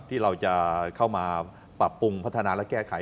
ที่เราจะเข้ามาปรับปรุงพัฒนาและแก้ไข